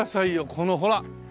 このほら！